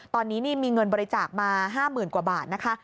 ตอนนี้มีเงินบริจาคมา๕๐๐๐กว่าบาทนะคะ